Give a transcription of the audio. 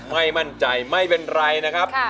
ไม่มั่นใจไม่เป็นไรนะครับ